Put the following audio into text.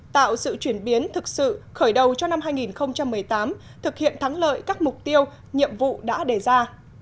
tạo sự chuyển biến thực sự khởi đầu cho năm hai nghìn một mươi tám thực hiện thắng lợi các mục tiêu nhiệm vụ đã đề ra